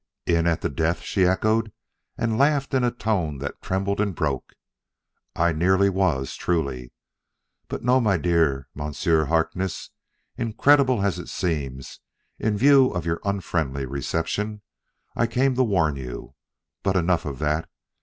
"In at the death!" she echoed, and laughed in a tone that trembled and broke. "I nearly was, truly. But, no, my dear Monsieur Harkness: incredible as it seems, in view of your unfriendly reception, I came to warn you!... But, enough of that.